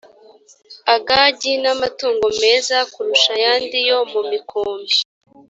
agagi n amatungo meza kurusha ayandi yo mu mikumbi